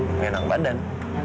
enggak enak badan